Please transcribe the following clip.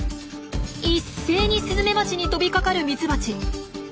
一斉にスズメバチに飛びかかるミツバチ。